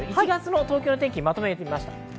１月の東京の天気をまとめました。